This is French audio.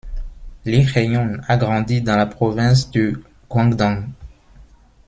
Li Hejun a grandi dans la province du Guangdong.